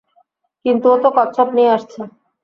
কিন্তু ও তো কচ্ছপ নিয়ে আসছে।